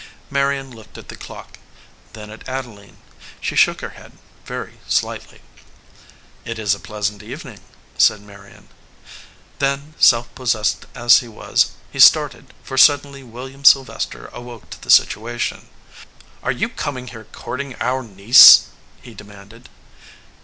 Marion looked at the clock; then at Adeline. She shook her head very slightly. "It is a pleasant evening," said Marion. Then, self possessed as he was, he started, for suddenly William Sylvester awoke to the situa tion. "Are you coming here courting our niece?" he demanded.